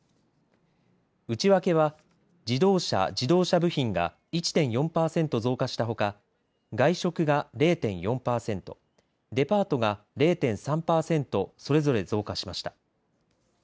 内訳は、自動車・自動車部品が１．４パーセント増加したほか外食が０．４パーセントデパートが０．３パーセントそれぞれ増加しました。